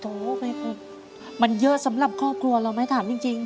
มันเยอะสำหรับครอบครัวเราไหมถามจริง